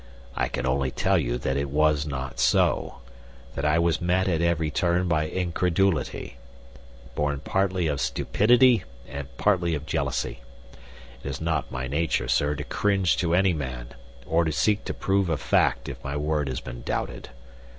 "I can only tell you that it was not so, that I was met at every turn by incredulity, born partly of stupidity and partly of jealousy. It is not my nature, sir, to cringe to any man, or to seek to prove a fact if my word has been doubted.